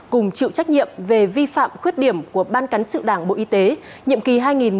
cùng chịu trách nhiệm về vi phạm khuyết điểm của ban cán sự đảng bộ y tế nhiệm kỳ hai nghìn một mươi sáu hai nghìn một mươi sáu